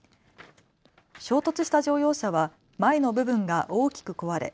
衝突した乗用車は前の部分が大きく壊れ